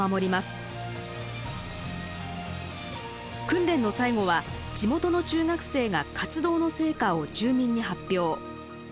訓練の最後は地元の中学生が活動の成果を住民に発表。